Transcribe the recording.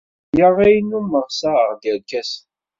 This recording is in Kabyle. Seg-a ay nnummeɣ ssaɣeɣ-d irkasen.